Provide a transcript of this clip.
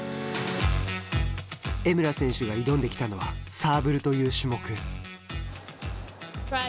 江村選手が挑んできたのはサーブルという種目。